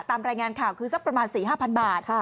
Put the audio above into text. ตามรายงานข่าวคือสักประมาณสี่ห้าพันบาท